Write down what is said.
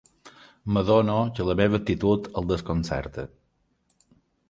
M'adono que la meva actitud el desconcerta.